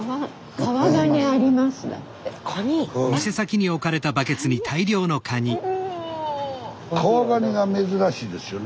川がにが珍しいですよね